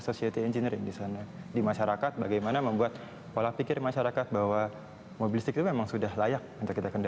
society engineering di sana di masyarakat bagaimana membuat pola pikir masyarakat bahwa mobil listrik itu memang sudah layak untuk kita kendala